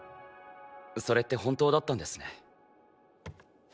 それって本当だったんですね。